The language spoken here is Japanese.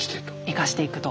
生かしていくと。